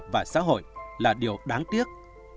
và xã hội là điều đáng tiếc